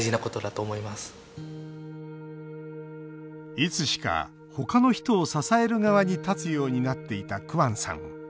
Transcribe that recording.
いつしか他の人を支える側に立つようになっていたクアンさん。